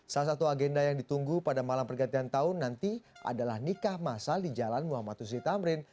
salah satu agenda yang ditunggu pada malam pergantian tahun nanti adalah nikah masal di jalan muhammad huszi tamrin